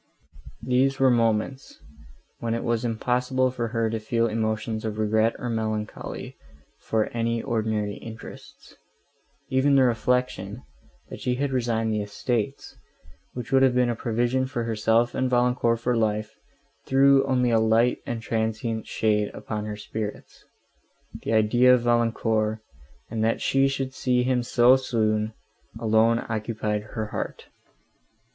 These were moments, when it was impossible for her to feel emotions of regret, or melancholy, for any ordinary interests;—even the reflection, that she had resigned the estates, which would have been a provision for herself and Valancourt for life, threw only a light and transient shade upon her spirits. The idea of Valancourt, and that she should see him so soon, alone occupied her heart.